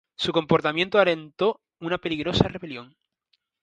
Su comportamiento alentó una peligrosa rebelión.